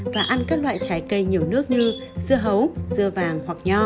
và ăn các loại trái cây nhiều nước như dưa hấu dưa vàng hoặc nho